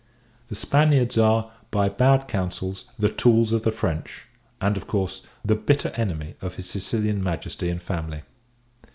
The Spaniards are, by bad councils, the tools of the French; and, of course, the bitter enemy of his Sicilian Majesty and family.